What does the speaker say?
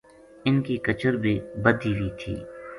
اِنھ کی کچر بھی بَدھی وی تھی